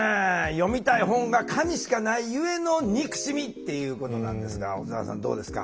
「読みたい本が紙しかないゆえの憎しみ」っていうことなんですが小沢さんどうですか？